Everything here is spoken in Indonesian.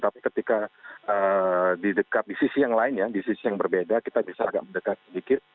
tapi ketika di dekat di sisi yang lain ya di sisi yang berbeda kita bisa agak mendekat sedikit